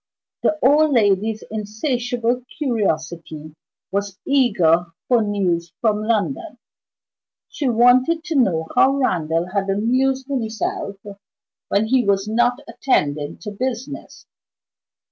The old lady's insatiable curiosity was eager for news from London: she wanted to know how Randal had amused himself when he was not attending to business.